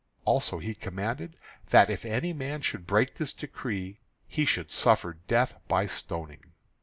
Also he commanded that if any man should break this decree he should suffer death by stoning.